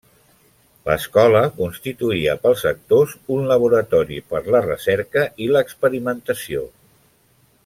L'escola constituïa pels actors un laboratori per la recerca i l’experimentació.